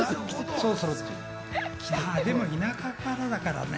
でも田舎からだからね。